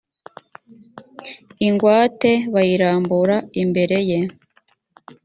ingwate bayirambura imbere ye